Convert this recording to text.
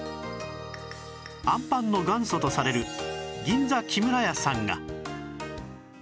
あんぱんの元祖とされる銀座木村家さんが